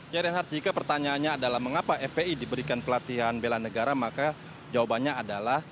ya reinhard jika pertanyaannya adalah mengapa fpi diberikan pelatihan bela negara maka jawabannya adalah